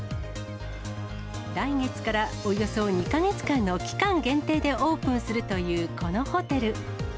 来月からおよそ２か月間の期間限定でオープンするというこのホテル。